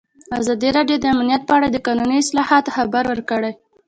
ازادي راډیو د امنیت په اړه د قانوني اصلاحاتو خبر ورکړی.